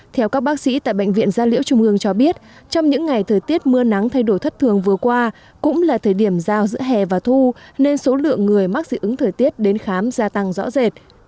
theo các bác sĩ tại bệnh viện gia liễu trung ương cho biết trong những ngày thời tiết mưa nắng thay đổi thất thường vừa qua cũng là thời điểm giao giữa hè và thu nên số lượng người mắc dị ứng thời tiết đến khám gia tăng rõ rệt